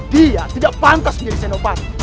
dia tidak pantas menjadi senopar